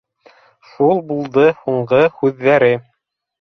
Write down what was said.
— Шул булды һуңғы һүҙҙәре